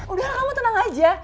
udah lah kamu tenang aja